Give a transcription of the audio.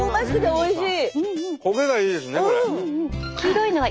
おいしい。